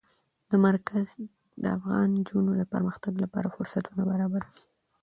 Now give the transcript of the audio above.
دا مرکز د افغان نجونو د پرمختګ لپاره فرصتونه برابروي.